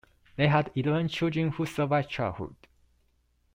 They had eleven children who survived childhood.